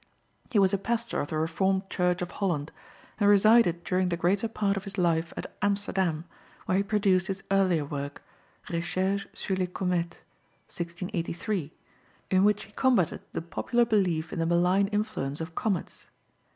He was a pastor of the Reformed Church of Holland, and resided during the greater part of his life at Amsterdam, where he produced his earlier work Recherches sur les Comètes (1683), in which he combated the popular belief in the malign influence of comets.